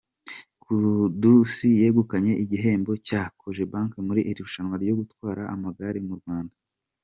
Kudusi yegukanye igihembo cya kojebanke mu irushanywa ryo gutwara amagare mu Rwanda